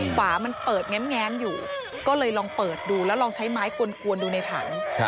ฝามันเปิดแง้มอยู่ก็เลยลองเปิดดูแล้วลองใช้ไม้กวนดูในถัง